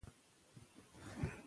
شعر د طبیعت جمال دی.